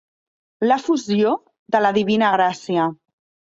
L'efusió de la divina gràcia.